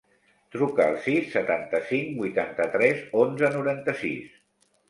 Truca al sis, setanta-cinc, vuitanta-tres, onze, noranta-sis.